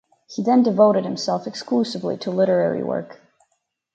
He then devoted himself exclusively to literary work.